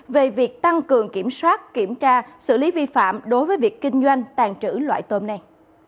về việc tăng cường kiểm soát kiểm tra xử lý vi phạm đối với việc kinh doanh tàn trữ loại tôm này